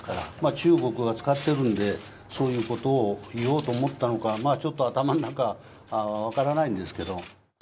中国が使ってるんで、そういうことを言おうと思ったのか、まあちょっと頭の中、分からないんですけど。